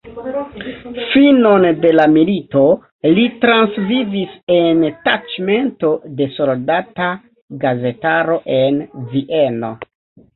Finon de la milito li transvivis en taĉmento de soldata gazetaro en Vieno.